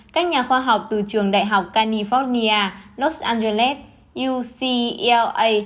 các nhà khoa học từ trường đại học california los angeles ucla